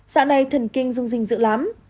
dạo này thần kinh rung rinh dữ lắm